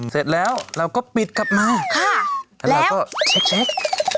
เสร็จแล้วเราก็ปิดกลับมาเราก็เช็ค